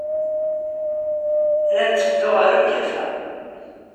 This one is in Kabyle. La netteddu ɣer ugafa.